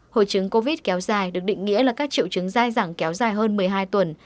hội chứng covid kéo dài được định nghĩa là các triệu chứng dai dẳng kéo dài hơn một mươi hai tuần